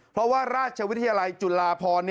เพราะว่าราชวิทยาลัยจุฬาพร